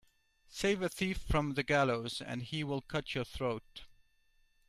Save a thief from the gallows and he will cut your throat.